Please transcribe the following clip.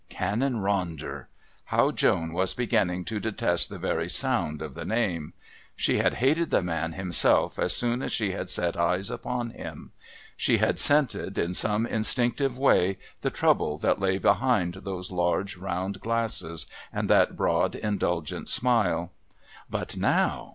Canon Ronder! How Joan was beginning to detest the very sound of the name! She had hated the man himself as soon as she had set eyes upon him. She had scented, in some instinctive way, the trouble that lay behind those large round glasses and that broad indulgent smile. But now!